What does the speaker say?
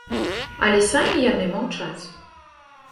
Але самі яны маўчаць.